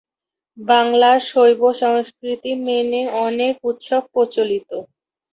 বাংলার শৈব সংস্কৃতি মেনে অনেক উৎসব প্রচলিত।